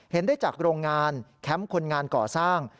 เห็นได้จากโรงงานแคมป์คนงานก่อสร้าง